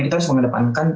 kita harus mengedepankan